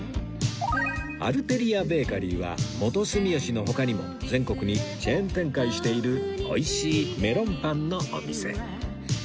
アルテリア・ベーカリーは元住吉の他にも全国にチェーン展開しているおいしいメロンパンのお店